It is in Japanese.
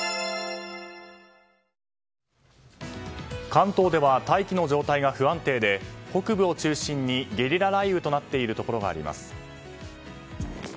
関東では大気の状態が不安定で北部を中心にゲリラ雷雨となっているところがあります。